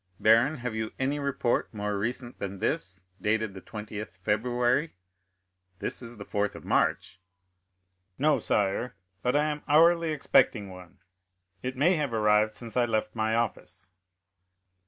Baron, have you any report more recent than this, dated the 20th February, and this is the 3rd of March?" "No, sire, but I am hourly expecting one; it may have arrived since I left my office."